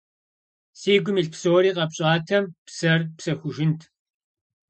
Си гум илъ псори къэпщӀатэм, псэр псэхужынт.